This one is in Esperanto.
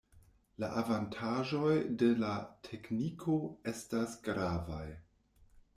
La avantaĝoj de la tekniko estas gravaj.